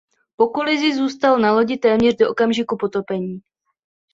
Po kolizi zůstal na lodi téměř do okamžiku potopení.